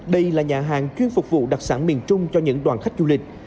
đây là nhà hàng chuyên phục vụ đặc sản miền trung cho những đoàn khách du lịch